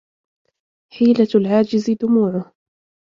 حيلة العاجز دموعه